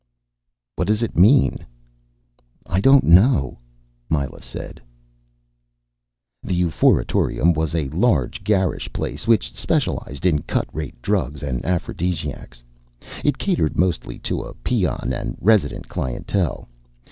"What does it mean?" "I don't know," Myla said. The Euphoriatorium was a large, garish place which specialized in cut rate drugs and aphrodisiacs. It catered mostly to a peon and resident clientele.